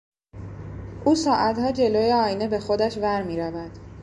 او ساعتها جلو آینه به خودش ور میرود.